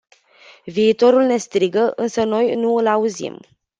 Viitorul ne strigă, însă noi nu îl auzim.